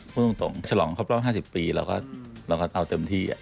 พูดตรงฉลองเขาประมาณ๕๐ปีเราก็เอาเต็มที่